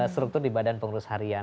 struktur di badan pengurus harian